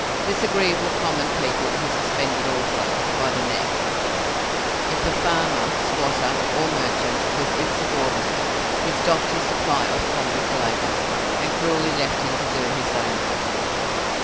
Disagreeable common people he suspended also by the neck. If a farmer, squatter, or merchant was insubordinate, he stopped his supply of convict labour, and cruelly left him to do his own work.